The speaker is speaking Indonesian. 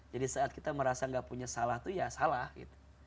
jadi saat kita merasa tidak punya salah tuh ya salah gitu